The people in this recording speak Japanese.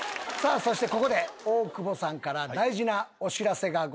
そしてここで大久保さんから大事なお知らせがございます。